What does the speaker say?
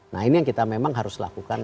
nah ini yang kita memang harus lakukan